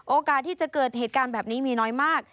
โอกาสที่จะเกิดเหตุการณ์แบบนี้มีน้อยมาก